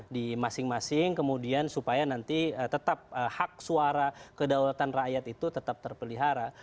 di masing masing kemudian supaya nanti tetap hak suara kedaulatan rakyat itu tetap terpelihara